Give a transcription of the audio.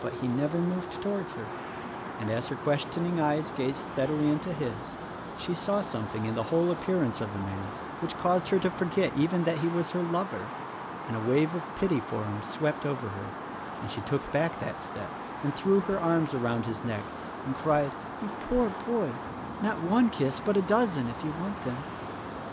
But he never moved toward her; and, as her question ing eyes gazed steadily into his, she saw something in the whole appearance of the man which caused her to forget even that he was her lover, and a wave of pity for him swept over her, and she took back that step and threw her arms around his neck and cried, "You poor boy — not one kiss, but a dozen if you want them."